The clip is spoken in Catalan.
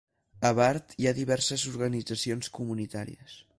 A Burt hi ha diverses organitzacions comunitàries.